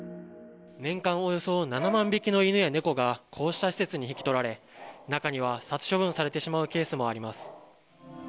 年間およそ７万匹の犬や猫がこうした施設に引き取られ、中には、殺処分されてしまうケースもあります。